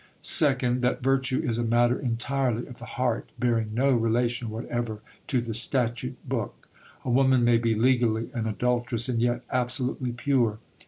Second, that virtue is a matter entirely of the heart, bearing no relation whatever to the statute book. A woman may be legally an adulteress and yet absolutely pure.